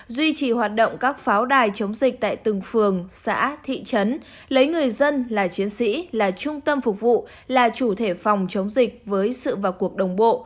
duy trì hoạt động các pháo đài chống dịch tại từng phường xã thị trấn lấy người dân là chiến sĩ là trung tâm phục vụ là chủ thể phòng chống dịch với sự vào cuộc đồng bộ